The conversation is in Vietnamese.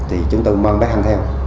thì chúng tôi mang bé hân theo